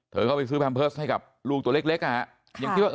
เธอก็ไปซื้อแพมเพิร์สให้กับลูกตัวเล็ก